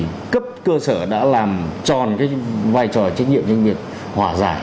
thì cấp cơ sở đã làm tròn cái vai trò trách nhiệm trong việc hòa giải